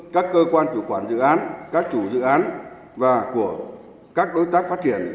các cơ quan chủ quản dự án các chủ dự án và của các đối tác phát triển